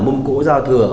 mông cổ giao thừa